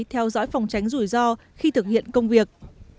theo dõi phòng tránh rủi ro khi thực hiện công việc